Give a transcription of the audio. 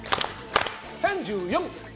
３４！